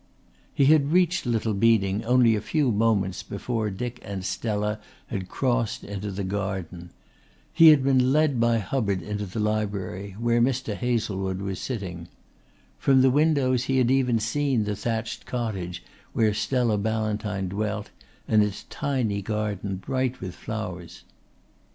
He had reached Little Beeding only a few moments before Dick and Stella had crossed into the garden. He had been led by Hubbard into the library, where Mr. Hazlewood was sitting. From the windows he had even seen the thatched cottage where Stella Ballantyne dwelt and its tiny garden bright with flowers.